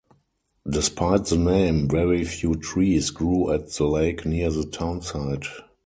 Despite the name, very few trees grew at the lake near the town site.